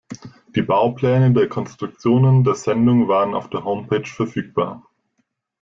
Die Baupläne der Konstruktionen der Sendung waren auf der Homepage verfügbar.